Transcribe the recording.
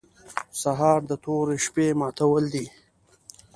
سهار د تورې شپې ماتول دي.